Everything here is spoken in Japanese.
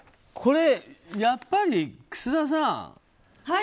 これ、やっぱり楠田さん。